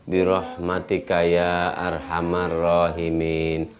birahmatika ya arhamarrahimin